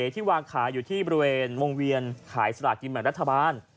ที่วางขายอยู่ที่บริเวณวงเวียนขายสลากกินแบ่งรัฐบาล